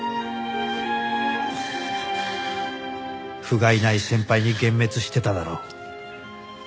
ふがいない先輩に幻滅してただろう。